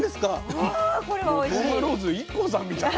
もう當間ローズＩＫＫＯさんみたい。